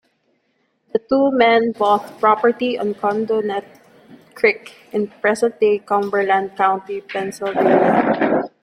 The two men bought property on Conedogwinet Creek in present-day Cumberland County, Pennsylvania.